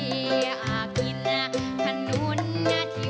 ทั้งปลาสัยธรรมปลาดุกตัวโต